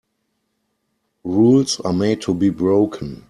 Rules are made to be broken.